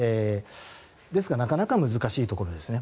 ですがなかなか難しいところですね。